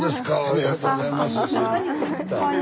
ありがとうございます。